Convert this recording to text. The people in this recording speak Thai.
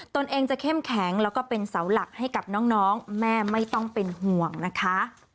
ตัวเองจะเข้มแข็งแล้วก็เป็นเสาหลักให้กับน้องแม่ไม่ต้องเป็นห่วงนะคะ